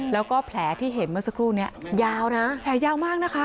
แล้วก็แผลที่เห็นเมื่อสักครู่นี้ยาวนะแผลยาวมากนะคะ